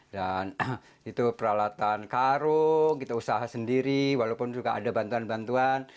dan itu peralatan karung usaha sendiri walaupun juga ada bantuan bantuan